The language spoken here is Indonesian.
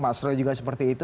mas roy juga seperti itu